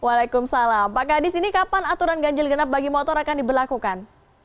waalaikumsalam pak kadis ini kapan aturan ganjil genap bagi motor akan diberlakukan